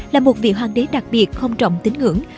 là một vị hoàng đế đặc biệt không trọng tính ngưỡng